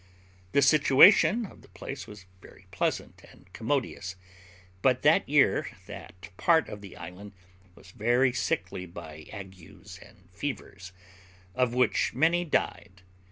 The situation of the place was very pleasant and commodious; but that year that part of the land was very sickly by agues and fevers, of which many died.